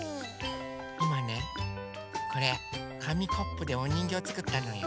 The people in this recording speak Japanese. いまねこれかみコップでおにんぎょうをつくったのよ。